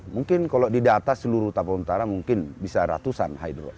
mungkin kalau di data seluruh tapan utara mungkin bisa ratusan hydros